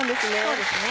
そうですね。